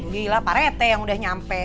gila pak rete yang udah nyampe